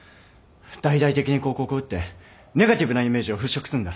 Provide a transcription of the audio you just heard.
大々的に広告を打ってネガティブなイメージを払拭するんだ